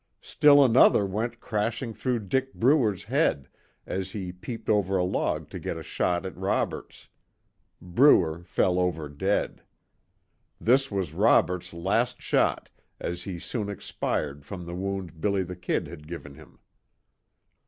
Still another went crashing through Dick Bruer's head, as he peeped over a log to get a shot at Roberts; Bruer fell over dead. This was Robert's last shot, as he soon expired from the wound "Billy the Kid" had given him.